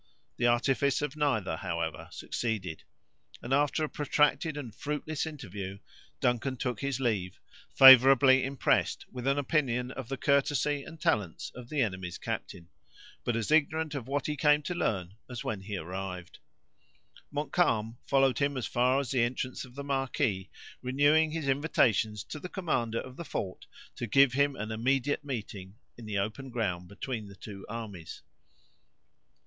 The artifice of neither, however, succeeded; and after a protracted and fruitless interview, Duncan took his leave, favorably impressed with an opinion of the courtesy and talents of the enemy's captain, but as ignorant of what he came to learn as when he arrived. Montcalm followed him as far as the entrance of the marquee, renewing his invitations to the commandant of the fort to give him an immediate meeting in the open ground between the two armies.